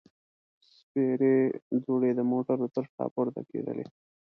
سپېرې دوړې د موټرو تر شا پورته کېدلې.